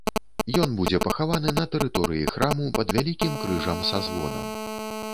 Ён будзе пахаваны на тэрыторыі храму пад вялікім крыжам са звонам.